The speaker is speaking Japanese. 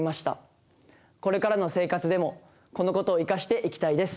これからの生活でもこの事を生かしていきたいです。